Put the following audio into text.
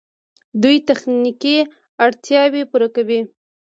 دوی تخنیکي اړتیاوې پوره کوي.